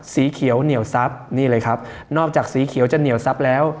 สีเขียวเหนียวซับนี่เลยครับนอกจากสีเขียวจะเหนียวซับแล้ว